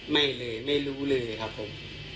ไม่เลยไม่รู้เลยครับผม